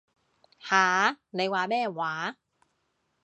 吓？你話咩話？